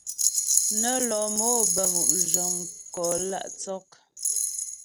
Nə́ lɔ mò bə́ mu' zhəŋ mkò lǎ' tsɔk.